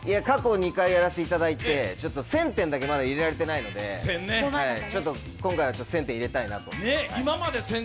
過去２回やらせていただいて１０００点だけまで入れられてないのでちょっと今回は１０００点入れたいなと思います。